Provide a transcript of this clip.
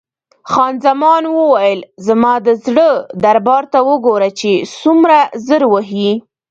خان زمان وویل: زما د زړه دربا ته وګوره چې څومره زر وهي.